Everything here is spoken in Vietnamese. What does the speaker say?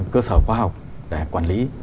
cơ sở khoa học để quản lý